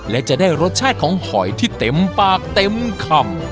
และจะได้รสชาติของหอยที่เต็มปากเต็มคำ